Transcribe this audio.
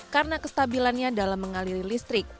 karena kestabilannya dalam mengaliri listrik